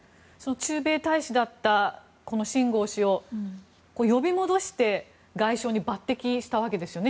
駐米大使だったシン・ゴウ氏を呼び戻して外相に抜擢したわけですよね